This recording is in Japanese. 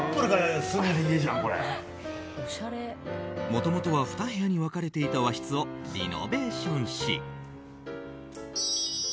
もともとは２部屋に分かれていた和室をリノベーションし。